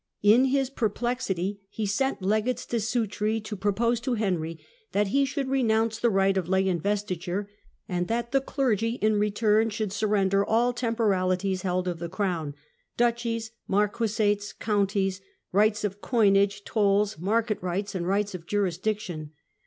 In his perplexity he sent legates to Sutri to propose to Henry that he should renounce the right of lay investiture and that the clergy in return should surrender all temporalities held of the crown, " duchies, marquisates, counties, ... rights of coinage, tolls, market rights, and rights of jurisdiction."